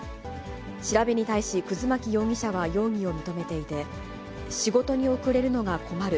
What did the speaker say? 調べに対し、葛巻容疑者は容疑を認めていて、仕事に遅れるのが困る。